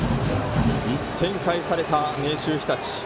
１点返された明秀日立。